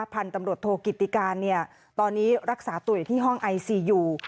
ผ่านตำรวจโทรกิจการเนี่ยตอนนี้รักษาตัวอยู่ที่ห้องไอซีอยู่